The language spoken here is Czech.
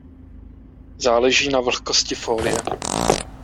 Záleží na vlhkosti fólie.